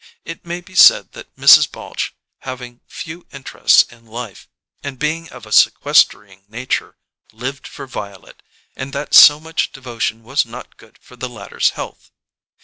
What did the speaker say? It may be said that Mrs. Balche, having few interests in life, and being of a sequestering nature, lived for Violet, and that so much devotion was not good for the latter's health.